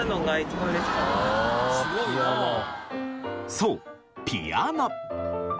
そうピアノ。